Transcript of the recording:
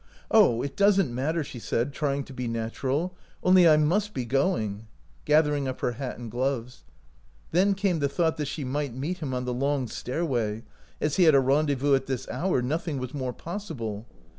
" Oh, it does n't matter," she said, trying to be natural, "only I must be going," gathering up her hat and gloves. Then came the thought that she might meet him on the long stairway ; as he had a rendez vous at this hour, nothing was more possible.